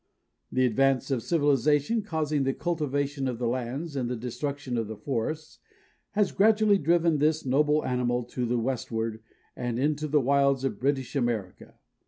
The advance of civilization, causing the cultivation of the lands and the destruction of the forests, has gradually driven this noble animal to the westward and into the wilds of British America.